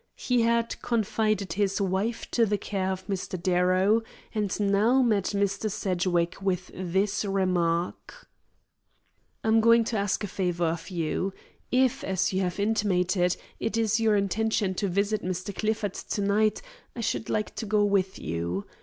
He had confided his wife to the care of Mr. Darrow, and now met Mr. Sedgwick with this remark: "I'm going to ask a favour of you. If, as you have intimated, it is your intention to visit Mr. Clifford to night, I should like to go with you.